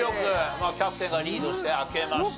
キャプテンがリードして開けました。